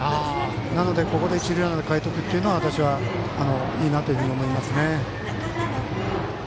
なので、ここで一塁ランナーを代えておくのはいいなと私は思いますね。